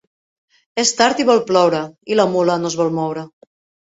És tard i vol ploure, i la mula no es vol moure.